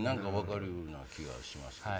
分かるような気がします。